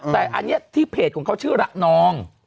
แต่อันนี้ที่เพจของเขาชื่อระนอง